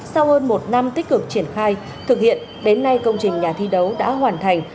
sau hơn một năm tích cực triển khai thực hiện đến nay công trình nhà thi đấu đã hoàn thành